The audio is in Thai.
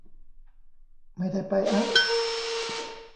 ไม่ได้ไปอ๊ะ